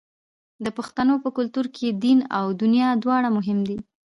د پښتنو په کلتور کې دین او دنیا دواړه مهم دي.